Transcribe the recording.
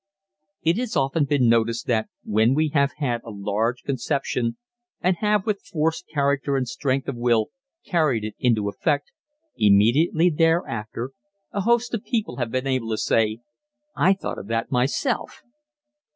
It has often been noticed that when we have had a large conception and have with force, character, and strength of will carried it into effect, immediately thereafter a host of people have been able to say: "I thought of that myself!"